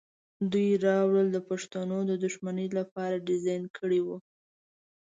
دوی دا رول د پښتنو د دښمنۍ لپاره ډیزاین کړی و.